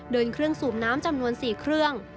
เดินเครื่องสูบน้ำจำนวน๔เครื่อง